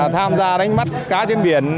tham gia đánh mất cá trên biển